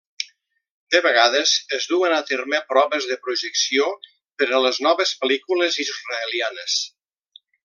De vegades es duen a terme proves de projecció per a les noves pel·lícules israelianes.